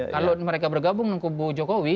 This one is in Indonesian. kalau mereka bergabung dengan kubu jokowi